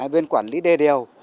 bên quản lý đề đều